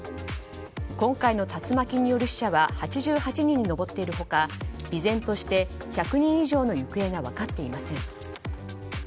今回の竜巻による死者は８８人に上っている他依然として１００人以上の行方が分かっていません。